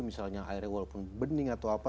misalnya airnya walaupun bening atau apa